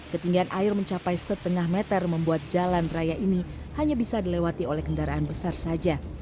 ketinggian air mencapai setengah meter membuat jalan raya ini hanya bisa dilewati oleh kendaraan besar saja